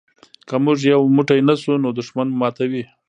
که موږ یو موټی نه شو نو دښمن مو ماتوي.